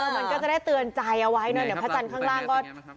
มันก็จะได้เตือนใจเอาไว้เนอะเดี๋ยวพระจันทร์ข้างล่างก็